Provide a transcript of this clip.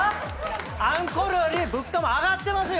あんころより物価も上がってますよ